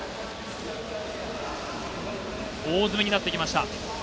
大詰めになってきました。